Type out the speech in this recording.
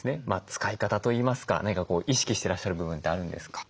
使い方といいますか何か意識してらっしゃる部分ってあるんですか？